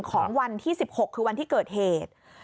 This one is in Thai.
ของวันที่๑๖คือวันที่เกิดเหตุ